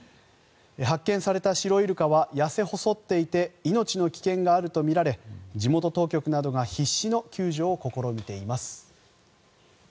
発見されたシロイルカは痩せ細っていて命の危険があるとみられ地元当局などが必死の救助を試みています。